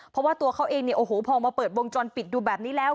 เพราะว่าตัวเขาเองเนี่ยโอ้โหพอมาเปิดวงจรปิดดูแบบนี้แล้ว